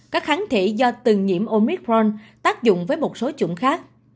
các kháng thỉ do từng nhiễm omicron tác dụng với một số chủng khác